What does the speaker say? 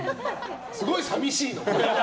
すごい寂しいの。